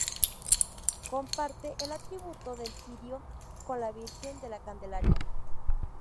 Comparte el atributo del cirio con la Virgen de la Candelaria.